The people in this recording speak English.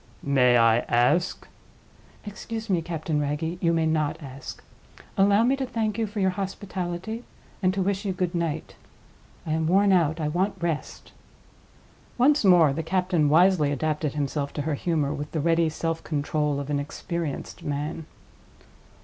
"May I ask—?" "Excuse me, Captain Wragge—you may not ask. Allow me to thank you for your hospitality, and to wish you good night. I am worn out. I want rest." Once more the captain wisely adapted himself to her humor with the ready self control of an experienced man.